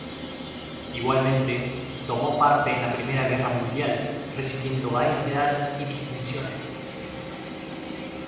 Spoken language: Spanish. Igualmente tomó parte en la Primera Guerra Mundial, recibiendo varias medallas y distinciones.